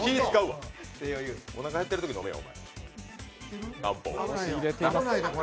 おなか減ってるとき飲むわ。